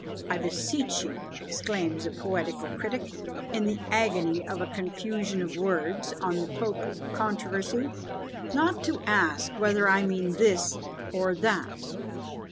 "I beseech you," exclaims a poetical critic, in the agony of a confusion of words, on the Pope controversy, "not to ask whether I mean this or that!"